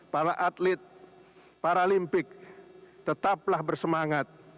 para atlet paralimpik tetaplah bersemangat